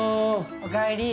おかえり。